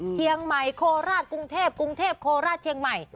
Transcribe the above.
เชียงใหม่โคราชกรุงเทพกรุงเทพโคราชเชียงใหม่